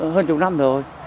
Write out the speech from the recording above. hơn chục năm rồi